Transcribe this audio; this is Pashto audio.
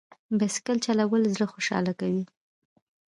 بایسکل چلول زړه خوشحاله کوي.